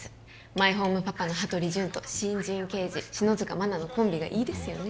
マイホームパパの羽鳥潤と新人刑事篠塚真菜のコンビがいいですよね